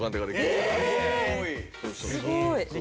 すごい！